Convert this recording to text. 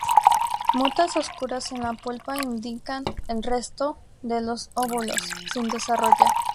Motas oscuras en la pulpa indican el resto de los óvulos sin desarrollar.